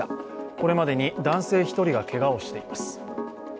これまでに男性１人がけがをしています。